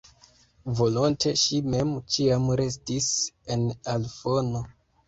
Volonte ŝi mem ĉiam restis en al fono.